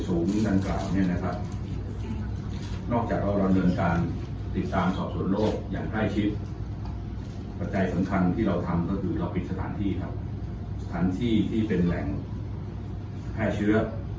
ก็ทำก็คือเราปิดสถานที่ครับสถานที่ที่เป็นแหล่งแพร่เชื้อ